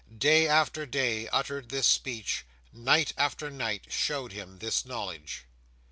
Day after day uttered this speech; night after night showed him this knowledge.